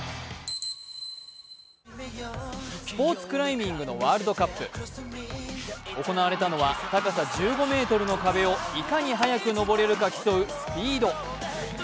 スポーツクライミングのワールドカップ、行われたのは高さ１５ｍの壁をいかに速く登れるか競うスピード。